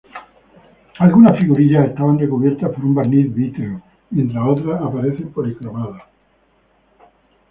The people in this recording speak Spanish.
Algunas figurillas estaban recubiertas por un barniz vítreo, mientras otras aparecen policromadas.